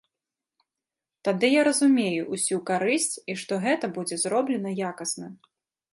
Тады я разумею ўсю карысць і што гэта будзе зроблена якасна.